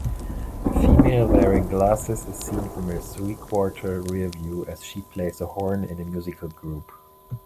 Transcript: A female wearing glasses is seen from a threequarter rear view as she plays a horn in a musical group